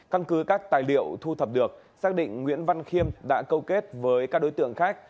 căn cứ các tài liệu thu thập được xác định nguyễn văn khiêm đã câu kết với các đối tượng khác